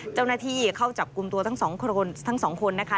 เจ้าหน้าที่เข้าจับกลุ่มตัวทั้งสองคนนะคะ